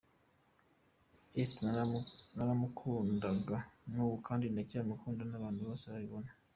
Esther naramukundaga, n’ubu kandi ndacyamukunda, n’abantu bose babibona.